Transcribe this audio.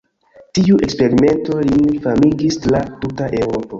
Tiu eksperimento lin famigis tra tuta Eŭropo.